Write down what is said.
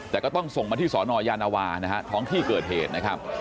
แต่ก็ต้องส่งมาที่สนยานวานะฮะท้องที่เกิดเหตุนะครับ